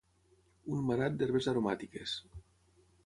un manat d'herbes aromàtiques